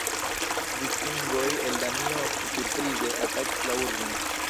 Vikingoj el Danio ofte surprize atakis la urbon.